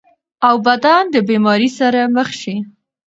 او بدن د بيمارۍ سره مخ شي -